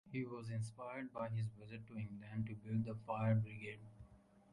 He was inspired by his visit to England to build the fire Brigade.